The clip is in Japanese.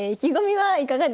はい。